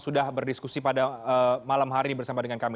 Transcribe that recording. sudah berdiskusi pada malam hari bersama dengan kami